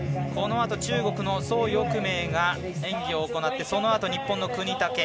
このあと中国の蘇翊鳴が演技を行ってそのあと、日本の國武。